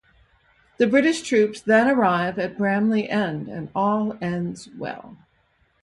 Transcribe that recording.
The British troops then arrive at Bramley End and all ends well.